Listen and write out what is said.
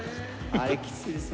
あれきついですよ。